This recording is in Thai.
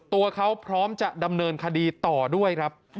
ตัวเขาพร้อมจะดำเนินคดีต่อด้วยครับ